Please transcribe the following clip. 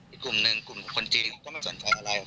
อีกกลุ่มหนึ่งกลุ่มคนจีนเขาก็ไม่สนใจอะไร